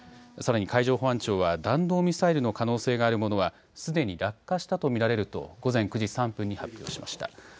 さらに海上保安庁は弾道ミサイルの可能性があるものはすでに落下したと見られると午前９時３分に発表しました。